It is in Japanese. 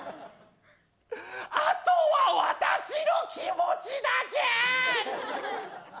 あとは私の気持ちだけ。